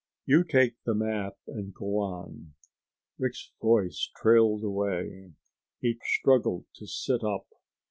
You take the map and go on...." Rick's voice trailed away. He struggled to sit up.